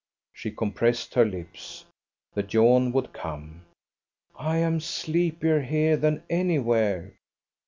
She compressed her lips. The yawn would come. "I am sleepier here than anywhere."